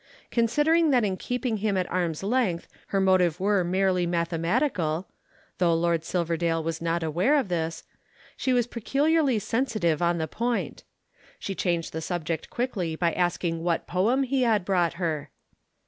Considering that in keeping him at arm's length her motive were merely mathematical (though Lord Silverdale was not aware of this) she was peculiarly sensitive on the point. She changed the subject quickly by asking what poem he had brought her.